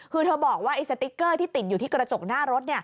คือเธอบอกว่าไอ้สติ๊กเกอร์ที่ติดอยู่ที่กระจกหน้ารถ